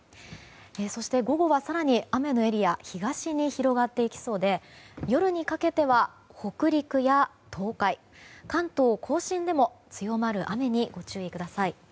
そして、午後は更に雨のエリア東に広がっていきそうで夜にかけては、北陸や東海関東・甲信でも強まる雨にご注意ください。